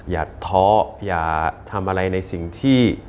อย่าท้ออย่าทำอะไรในสิ่งที่